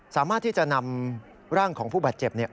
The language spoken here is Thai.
สามารถที่จะนำร่างของผู้บาดเจ็บ